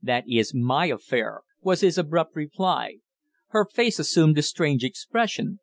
"That is my affair," was his abrupt reply. Her face assumed a strange expression.